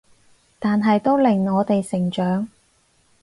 但係都令我哋成長